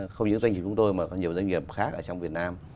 không những doanh nghiệp chúng tôi mà có nhiều doanh nghiệp khác ở trong việt nam